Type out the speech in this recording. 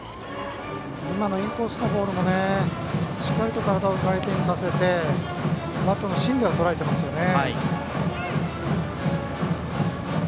今のインコースのボールもしっかりと体を回転させてバットの芯でとらえてますよね。